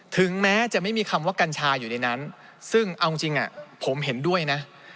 ถึงแม้จะไม่มีคำว่ากัญชาอยู่ในนั้นซึ่งเอาจริงผมเห็นด้วยนะ